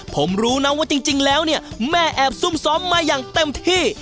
ผมรู้นะว่าจริงแล้วเนี่ยแม่แอบซุ่มซ้อมมาอย่างเต็มที่